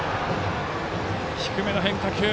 低めの変化球。